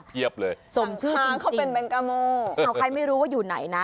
เรียบเลยส่งชื่อกินจริงครอบครั้งเขาเป็นแบงกาโมเอ้าใครไม่รู้ว่าอยู่ไหนนะ